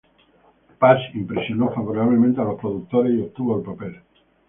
Parks impresionó favorablemente a los productores y obtuvo el papel.